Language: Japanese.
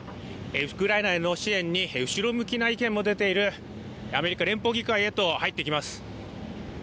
ウクライナへの支援に後ろ向きな意見も出ているアメリカ連邦議会へと入っていきます。